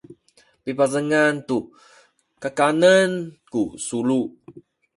pipazengan tu kakanen ku sulu